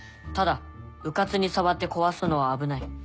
ただうかつに触って壊すのは危ない。